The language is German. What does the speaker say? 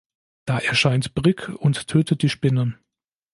Da erscheint Brick und tötet die Spinne.